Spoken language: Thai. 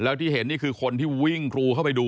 แล้วที่เห็นนี่คือคนที่วิ่งกรูเข้าไปดู